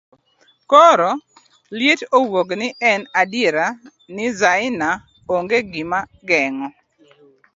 koro liet owuogni, en adiera ni Zaina ong'e gima geng'o